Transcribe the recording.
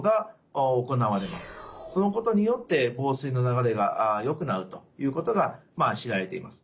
そのことによって房水の流れがよくなるということが知られています。